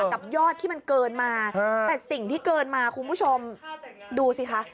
กับยอดที่มันเกินมาแต่สิ่งที่เกินมาคุณผู้ชมดูสิคะ